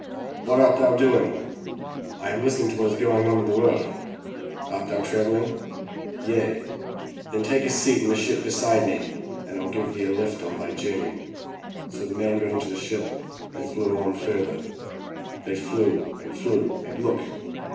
"What art thou doing?" "I am listening to what is going on in the world." "Art thou traveling?" "Yea." "Then take a seat in the ship beside me. rU give thee a lift on thy journey." So the man got into the ship and they flew on further. They flew and flew and look!